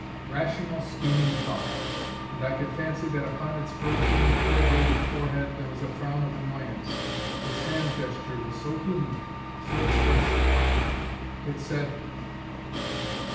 Rational, scheming thought. And I could fancy that upon its frozen corrugated forehead there was a frown of annoyance. Its hand gesture was so human! So expressive! It said.